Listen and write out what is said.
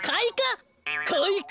かいか！